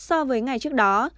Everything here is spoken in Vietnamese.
so với ngày trước đó